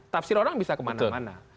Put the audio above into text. tafsir orang bisa kemana mana